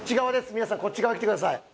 皆さんこっち側来てください